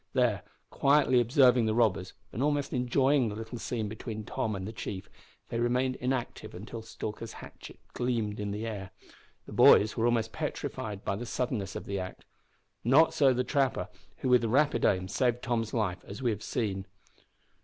There, quietly observing the robbers, and almost enjoying the little scene between Tom and the chief, they remained inactive until Stalker's hatchet gleamed in the air. The boys were almost petrified by the suddenness of the act. Not so the trapper, who with rapid aim saved Tom's life, as we have seen.